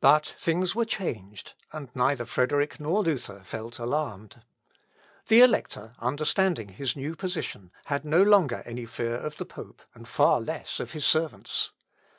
But things were changed, and neither Frederick nor Luther felt alarmed. The Elector, understanding his new position, had no longer any fear of the pope and far less of his servants.